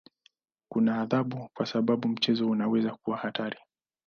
Kuna adhabu kwa sababu mchezo unaweza kuwa hatari.